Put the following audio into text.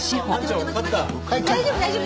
大丈夫大丈夫。